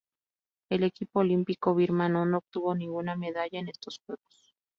El equipo olímpico birmano no obtuvo ninguna medalla en estos Juegos.